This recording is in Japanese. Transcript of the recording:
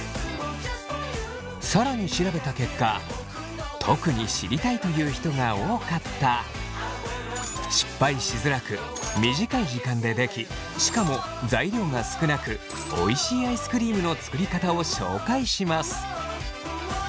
更に調べた結果特に知りたいという人が多かった失敗しづらく短い時間でできしかも材料が少なくおいしいアイスクリームの作りかたを紹介します。